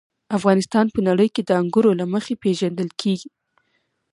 افغانستان په نړۍ کې د انګورو له مخې پېژندل کېږي.